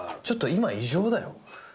ちょっと今異常だよ。